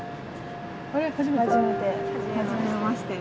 あれ初めて？